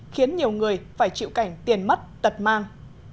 khiến nhiều người phải chịu cảnh tiền mất tật mang